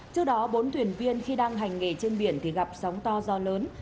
trước đó bốn thuyền viên khi đang hành nghề trên biển thì gặp sóng to gió lớn